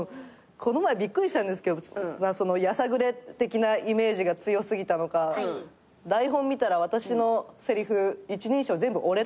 この前びっくりしたんですけどやさぐれ的なイメージが強すぎたのか台本見たら私のせりふ一人称全部「俺」だったんです。